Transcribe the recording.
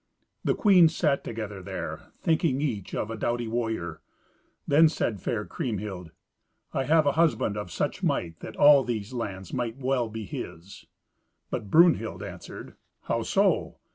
The queens sat together there, thinking each on a doughty warrior. Then said fair Kriemhild, "I have a husband of such might that all these lands might well be his." But Brunhild answered, "How so?